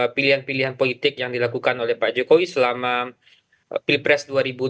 pilihan pilihan politik yang dilakukan oleh pak jokowi selama pilpres dua ribu dua puluh